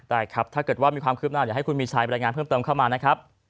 ได้ครับถ้าเกิดว่ามีความคืบหน้าเดี๋ยวให้คุณมีชายบรรยายงานเพิ่มเติมเข้ามานะครับ